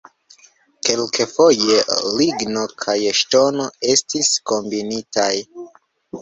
Kelkfoje ligno kaj ŝtono estis kombinitaj.